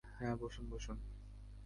হ্যাঁ, বসুন বসুন।